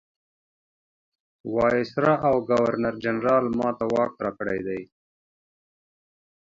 وایسرا او ګورنرجنرال ما ته واک راکړی دی.